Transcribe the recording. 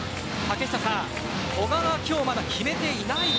古賀が今日まだ決めていません。